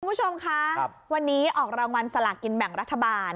คุณผู้ชมคะวันนี้ออกรางวัลสลากินแบ่งรัฐบาล